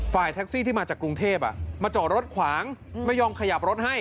แท็กซี่ที่มาจากกรุงเทพมาจอดรถขวางไม่ยอมขยับรถให้